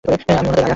আমি উনাদের আয়া!